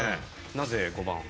なぜ５番を？